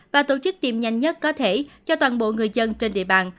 và tổ chức tìm nhanh nhất có thể cho toàn bộ người dân trên địa bàn